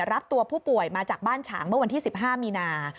รับตัวผู้ป่วยมาจากบ้านฉางเมื่อวันที่๑๕มีนา